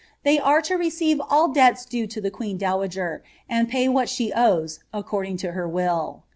They are to receive all debla due to the queen dowager, and pay what she owes, according to her will."